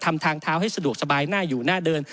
ทางเท้าให้สะดวกสบายหน้าอยู่หน้าเดิน